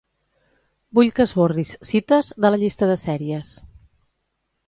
Vull que esborris "Cites" de la llista de sèries.